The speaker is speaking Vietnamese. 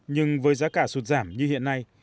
nhưng với giá cả sụt giảm như hiện nay